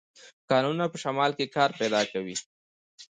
کانونه په شمال کې کار پیدا کوي.